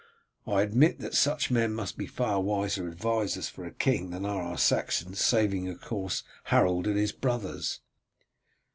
I admit that such men must be far wiser advisers for a king than are our Saxons, saving of course Harold and his brothers."